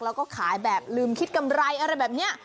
แล้วก็ขายแบบลืมคิดกำไรอะไรแบบนี้